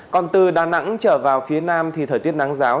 còn từ đà nẵng trở vào phía nam thì thời tiết nắng giáo